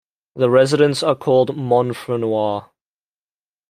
The residents are called "Montfrinois".